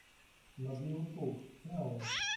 "Na miły Bóg, śmiało!"